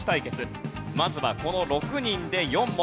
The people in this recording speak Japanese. まずはこの６人で４問。